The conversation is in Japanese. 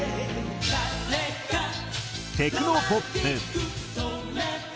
テクノポップ。